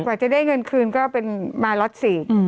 กว่าจะได้เงินคืนก็เป็นมาล็อตสี่